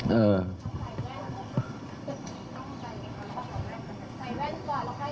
หายไม่นาน